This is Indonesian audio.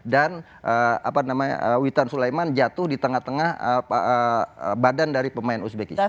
dan witan sulaiman jatuh di tengah tengah badan dari pemain uzbekistan